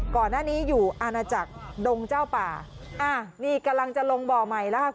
ก่อนหน้านี้อยู่อาณาจักรดงเจ้าป่าอ่านี่กำลังจะลงบ่อใหม่แล้วค่ะ